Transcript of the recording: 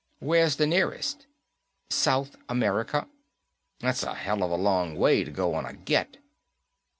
"Where's the nearest?" "South America." "That's a helluva long way to go on a get."